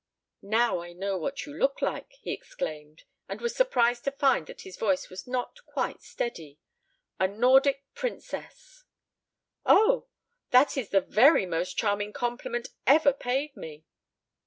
"Now I know what you look like!" he exclaimed, and was surprised to find that his voice was not quite steady. "A Nordic princess." "Oh! That is the very most charming compliment ever paid me."